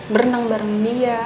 berenang bareng dia